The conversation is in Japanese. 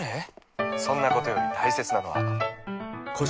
そんなことより大切なのは